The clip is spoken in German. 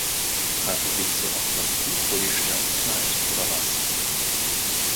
Hat er sich zu oft "das Buch" vor die Stirn geknallt, oder was?